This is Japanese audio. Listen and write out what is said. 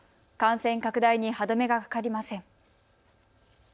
感染拡大に歯止めがかかりません。